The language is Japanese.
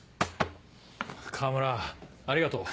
河村ありがとう。